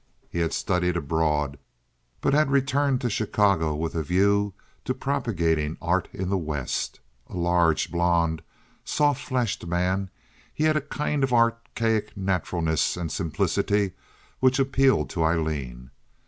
He had studied abroad, but had returned to Chicago with a view to propagating art in the West. A large, blond, soft fleshed man, he had a kind of archaic naturalness and simplicity which appealed to Aileen.